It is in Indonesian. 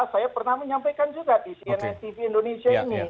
saya pernah menyampaikan juga di cnn tv indonesia ini